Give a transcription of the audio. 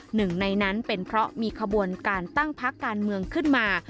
หนึ่งในนั้นเป็นเพราะมีขบวนการตั้งพักการเมืองขึ้นมา